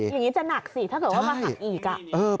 อย่างนี้จะหนักสิถ้าเกิดว่ามาหักอีก